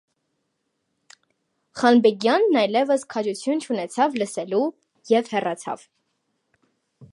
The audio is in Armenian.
Խանբեգյանն այլևս քաջություն չունեցավ լսելու և հեռացավ: